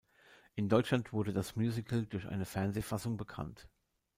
In Deutschland wurde das Musical durch eine Fernsehfassung bekannt.